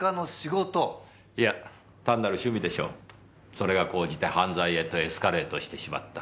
それが高じて犯罪へとエスカレートしてしまった。